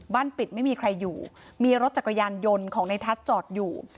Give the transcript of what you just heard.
ปิดไม่มีใครอยู่มีรถจักรยานยนต์ของในทัศน์จอดอยู่